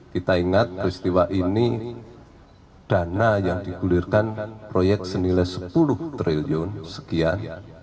kita ingat peristiwa ini dana yang digulirkan proyek senilai sepuluh triliun sekian